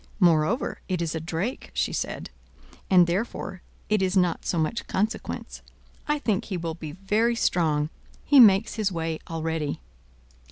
Moreover it is a drake," she said, "and therefore it is not so much consequence. I think he will be very strong: he makes his way already."